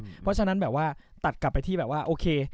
เพราะฉะนั้นแบบว่าตัดกลับไปที่แบบว่าโอเค